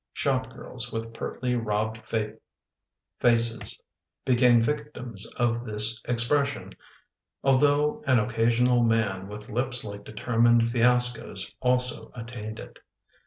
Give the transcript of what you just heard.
Shop girls, with pertly robbed faces, became victims of this expres sion, although an occasional man with lips like determined fiascoes also attained it.